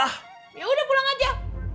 ya udah pulang aja